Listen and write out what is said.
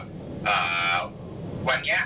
ผมก็เอาไว้ช่วยมันตลอด